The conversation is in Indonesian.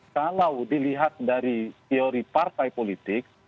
kalau dilihat dari teori partai politik